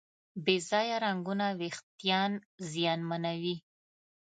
بې ځایه رنګونه وېښتيان زیانمنوي.